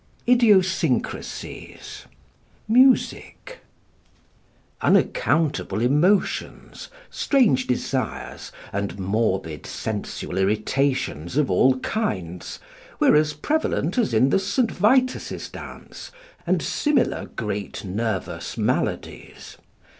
4 IDIOSYNCRASIES MUSIC Unaccountable emotions, strange desires, and morbid sensual irritations of all kinds, were as prevalent as in the St. Vitus's dance and similar great nervous maladies.